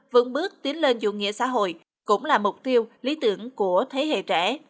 vững bước tiến lên chủ nghĩa xã hội cũng là mục tiêu lý tưởng của thế hệ trẻ